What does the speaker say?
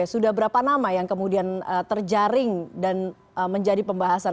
sudah berapa nama yang kemudian terjaring dan menjadi pembahasan